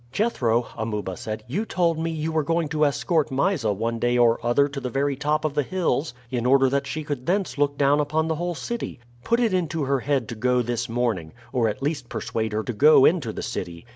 "Jethro," Amuba said, "you told me you were going to escort Mysa one day or other to the very top of the hills, in order that she could thence look down upon the whole city. Put it into her head to go this morning, or at least persuade her to go into the city.